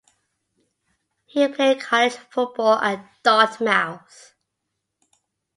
He played college football at Dartmouth.